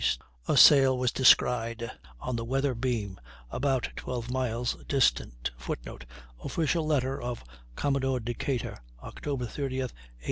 a sail was descried on the weather beam, about 12 miles distant. [Footnote: Official letter of Commodore Decatur, Oct. 30. 1812.